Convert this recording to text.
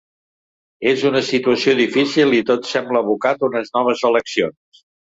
És una situació difícil i tot sembla abocat a unes noves eleccions.